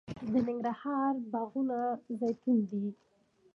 د ننګرهار باغونه زیتون دي